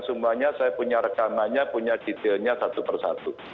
semuanya saya punya rekanannya punya titilnya satu persatu